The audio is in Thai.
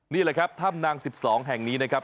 นี่แหละครับถ้ำนาง๑๒แห่งนี้นะครับ